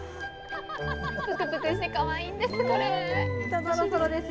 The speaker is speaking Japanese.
ぷくぷくしてかわいいんです、これ。